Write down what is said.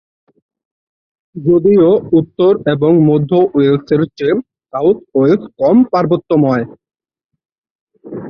যদিও উত্তর এবং মধ্য ওয়েলস এর চেয়ে সাউথ ওয়েলস কম পার্বত্যময়।